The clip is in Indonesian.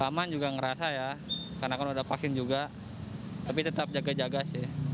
maman juga ngerasa ya karena kan udah vaksin juga tapi tetap jaga jaga sih